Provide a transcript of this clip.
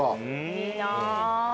いいな。